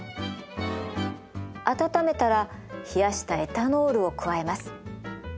温めたら冷やしたエタノールを加えます。